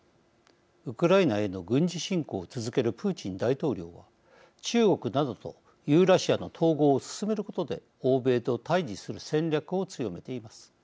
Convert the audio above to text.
ウクライナへの軍事侵攻を続けるプーチン大統領は、中国などとユーラシアの統合を進めることで欧米と対じする戦略を強めています。